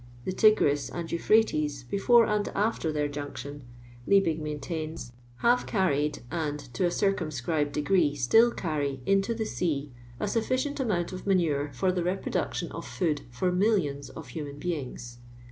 The Tigris and Kuph rates, beflm and after their junction, Liebig maintains, hare carried, and, to a circumscribed degree, still carry, into the sea *' a sufficient amount of manure foe the reproduction of food for millions of humui beings."